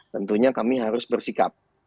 tentunya kami harus bersikap